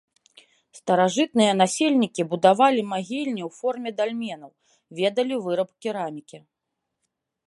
Старажытныя насельнікі будавалі магільні ў форме дальменаў, ведалі выраб керамікі.